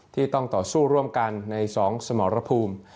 ที่ต้องต่อสู้ร่วมกันใน๒สมรภูมิ